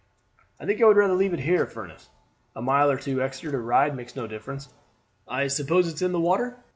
"I think I would rather leave it here, Furniss. A mile or two extra to ride makes no difference. I suppose it's in the water?"